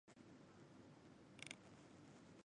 拉哈尔早熟禾为禾本科早熟禾属下的一个种。